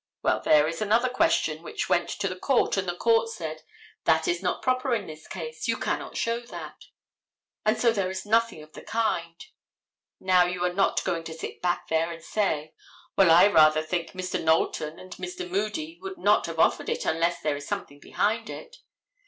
Well, there is another question which went to the court, and the court said: "That is not proper in this case. You cannot show that." And so there is nothing of the kind. Now, are you not going to sit back there and say, "Well, I rather think Mr. Knowlton and Mr. Moody would not have offered it unless there is something behind it."